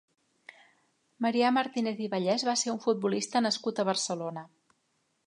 Marià Martínez i Vallès va ser un futbolista nascut a Barcelona.